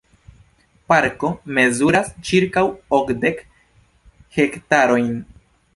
Parko mezuras ĉirkaŭ okdek hektarojn.